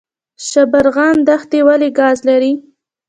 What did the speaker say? شبرغان دښتې ولې ګاز لري؟